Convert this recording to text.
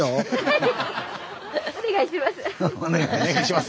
「お願いします」。